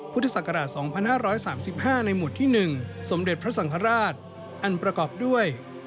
พุทธศักราช๒๕๓๕ในหมวดที่๑สมเด็จพระสังฆราชอันประกอบด้วย